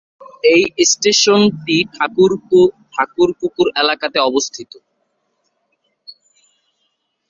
এই স্টেশনটি ঠাকুরপুকুর এলাকাতে অবস্থিত।